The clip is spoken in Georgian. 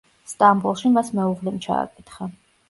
სტამბოლში მას მეუღლემ ჩააკითხა.